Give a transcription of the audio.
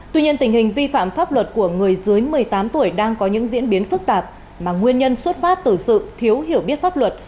tuy nhiên tình hình vi phạm pháp luật của người dưới một mươi tám tuổi đang có những diễn biến phức tạp mà nguyên nhân xuất phát từ sự thiếu hiểu biết pháp luật